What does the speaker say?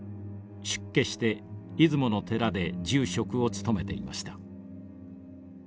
出家して出雲の寺で住職を務めていました。